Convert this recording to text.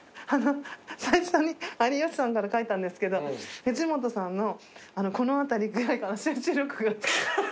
最初に有吉さんから描いたんですけど藤本さんのこの辺りぐらいから集中力が欠けてしまって。